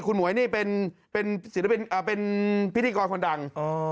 คุณหมวยนี่เป็นพิธีกรคนดัง